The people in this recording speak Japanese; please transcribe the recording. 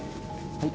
はい。